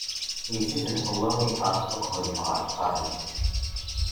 Yessi-s n Ḥewwa i iḥer Stukhulm ɣer tqarnit.